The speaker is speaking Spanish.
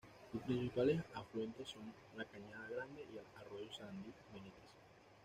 Sus principales afluentes son la cañada Grande y el arroyo Sarandí Benítez.